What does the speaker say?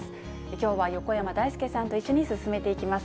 きょうは横山だいすけさんと一緒に進めていきます。